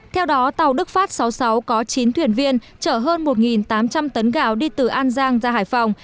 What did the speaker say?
theo đó tàu đức phát sáu mươi sáu có chín thuyền viên chở hơn một tám trăm linh tấn gạo đi từ an giang ra hải phòng